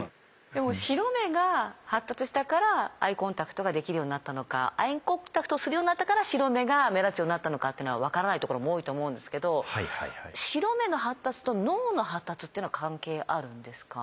でも白目が発達したからアイコンタクトができるようになったのかアイコンタクトをするようになったから白目が目立つようになったのかっていうのは分からないところも多いと思うんですけど白目の発達と脳の発達っていうのは関係あるんですか？